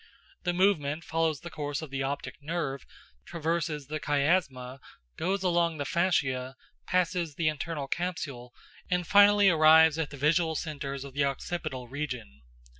The movement follows the course of the optic nerve, traverses the chiasma, goes along the fascia, passes the internal capsule, and finally arrives at the visual centres of the occipital region.